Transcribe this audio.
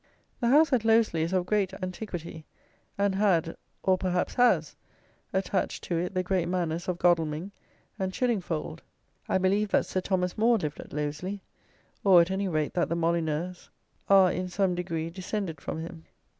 The house at Losely is of great antiquity, and had, or perhaps has, attached to it the great manors of Godalming and Chiddingfold. I believe that Sir Thomas More lived at Losely, or, at any rate, that the Molyneuxes are, in some degree, descended from him.